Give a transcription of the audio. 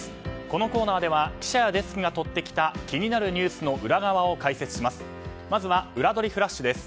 このコーナーでは記者やデスクが取ってきた気になるニュースの裏側を解説します。